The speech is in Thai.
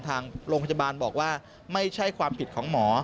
ทางโรงพยาบาลบอกว่าไม่ใช่ความผิดของหมอ